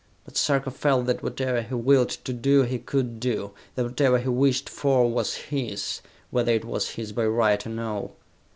But Sarka felt that whatever he willed to do he could do; that whatever he wished for was his, whether it was his by right or no.